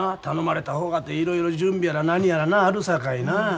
頼まれた方かていろいろ準備やら何やらなあるさかいな。